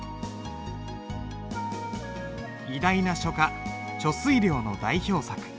偉大な書家遂良の代表作。